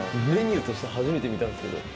メニューとして初めて見たんですけど。